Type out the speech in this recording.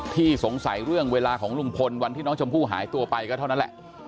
สงสัยเรื่องเวลาของลุงพลวันที่น้องชมพู่หายตัวไปก็เท่านั้นแหละ